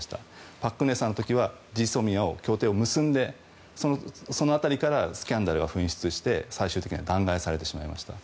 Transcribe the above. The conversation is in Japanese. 朴槿惠さんの時はＧＳＯＭＩＡを協定を結んでその辺りからスキャンダルが噴出して最終的には弾劾されてしまいました。